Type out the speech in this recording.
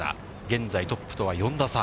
現在トップとは４打差。